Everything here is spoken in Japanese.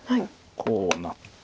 こうなって。